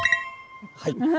はい。